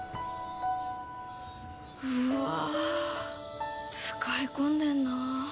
うわ使い込んでんな。